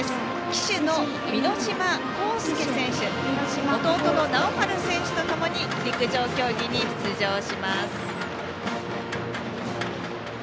旗手の簑島昂佑選手は弟の尚悠選手とともに、陸上競技に出場します。